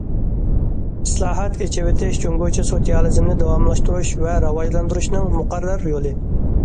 ئىسلاھات، ئېچىۋېتىش جۇڭگوچە سوتسىيالىزمنى داۋاملاشتۇرۇش ۋە راۋاجلاندۇرۇشنىڭ مۇقەررەر يولى.